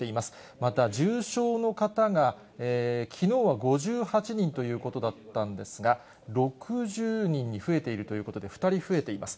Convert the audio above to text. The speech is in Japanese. また重症の方が、きのうは５８人ということだったんですが、６０人に増えているということで、２人増えています。